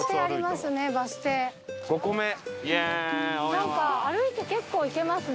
なんか歩いて結構いけますね。